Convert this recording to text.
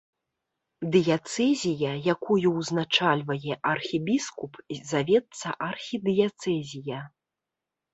Дыяцэзія, якую ўзначальвае архібіскуп, завецца архідыяцэзія.